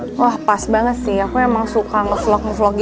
ini udah aman banget ya kak kesukaan traveling bawa kamera ini udah aman banget ya